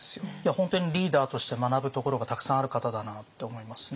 本当にリーダーとして学ぶところがたくさんある方だなって思いますね。